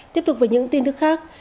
tiếp tục với những tin thức khác